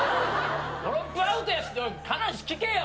ドロップアウト話聞けよ！